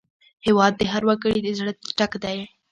هېواد د هر وګړي د زړه ټک دی.